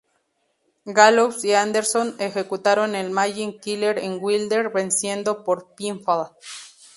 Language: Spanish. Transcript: Gallows y Anderson ejecutaron el Magic Killer en Wilder venciendo por pinfall.